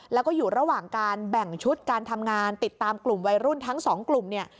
แล้วก็อยู่ระหว่างการแบ่งชุดการทำงานติดตามกลุ่มวัยรุ่นทั้งสองกลุ่มเนี่ย